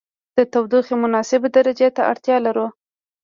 د تودوخې مناسبې درجې ته اړتیا لرو.